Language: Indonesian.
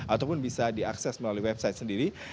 ataupun bisa diakses melalui website sendiri